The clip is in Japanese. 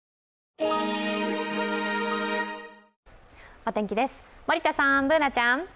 お天気です、森田さん、Ｂｏｏｎａちゃん。